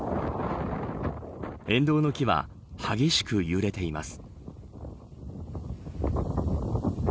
沿道の木は激しく揺れています。